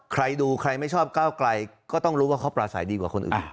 ใครดูใครไม่ชอบก้าวไกลก็ต้องรู้ว่าเขาปราศัยดีกว่าคนอื่น